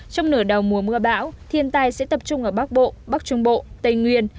trong nửa đầu mùa mưa bão thiên tai sẽ tập trung ở bắc bộ bắc trung bộ tây nguyên